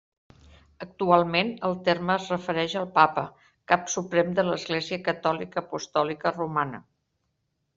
Actualment, el terme es refereix al Papa, cap suprem de l'Església catòlica apostòlica romana.